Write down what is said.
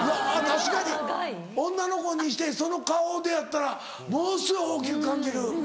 確かに女の子にしてその顔でやったらものすごい大きく感じる。